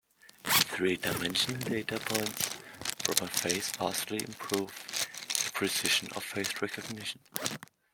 Three-dimensional data points from a face vastly improve the precision of face recognition.